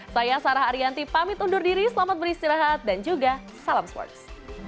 saya sarah ariyanti pamit undur diri selamat beristirahat dan juga salam sports